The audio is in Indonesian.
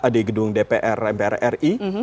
ada di gedung dpr ri